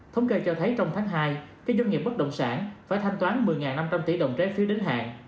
thống kê cho thấy trong tháng hai các doanh nghiệp bất động sản phải thanh toán một mươi năm trăm linh tỷ đồng trái phiếu đến hạn